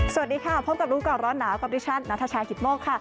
สวัสดีค่ะพบกับรู้ก่อนร้อนหนาวกับดิฉันนัทชายกิตโมกค่ะ